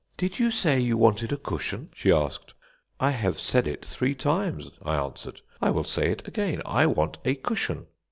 "'Did you say you wanted a cushion?' she asked. "'I have said it three times,' I answered. 'I will say it again I want a cushion.'